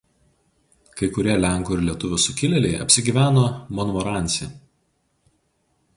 Kai kurie lenkų ir lietuvių sukilėliai apsigyveno Monmoransi.